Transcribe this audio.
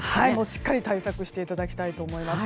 しっかり対策していただきたいと思います。